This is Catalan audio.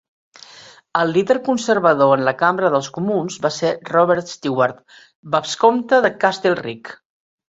El líder conservador en la Cambra dels Comuns va ser Robert Stewart, vescomte de Castlereagh.